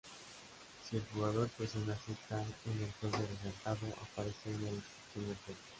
Si el jugador presiona Z en el juego resaltado, aparece una descripción del juego.